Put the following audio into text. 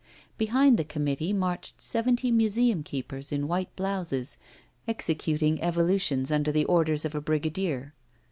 Behind the committee marched seventy museum keepers in white blouses, executing evolutions under the orders of a brigadier.